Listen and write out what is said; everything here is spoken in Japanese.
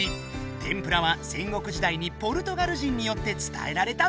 天ぷらは戦国時だいにポルトガル人によってつたえられたんだって！